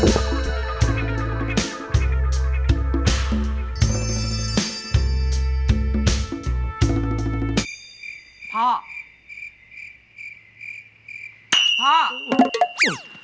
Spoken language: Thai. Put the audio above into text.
อืม